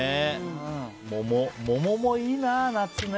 桃もいいな、夏ね。